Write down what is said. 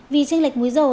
vì trinh lệch múi rồ